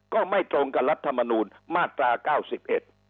ก็ไม่ตรงกับรัฐมนูลมาตราเก้าสิบเอ็ด